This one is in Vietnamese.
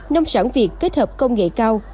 nông sản việt kết hợp công nghệ cao